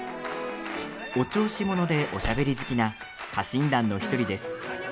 お調子者で、おしゃべり好きな家臣団の１人です。